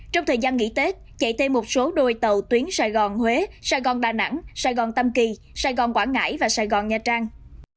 trong thời gian nghỉ tết chạy thêm một số đôi tàu tuyến sài gòn huế sài gòn đà nẵng sài gòn tâm kỳ sài gòn quảng ngãi và sài gòn nha trang